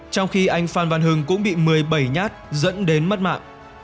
trong khi anh phan văn hưng cũng bị một mươi bảy nhát dẫn đến mất mạng